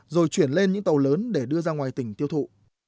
rồi chuyển lên những tàu lớn để đưa ra ngoài tỉnh tiêu thụ